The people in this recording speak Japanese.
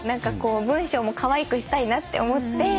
文章もかわいくしたいなって思って。